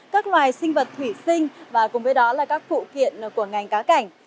các loài sinh vật thủy sinh và cùng với đó là các phụ kiện của ngành cá cảnh